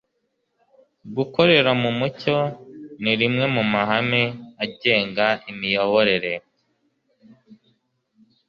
gukorera mu mucyo ni rimwe mu mahame agenga imiyoborere